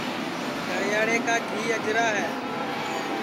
دڑے یاڑے کا گھی اجرا ہے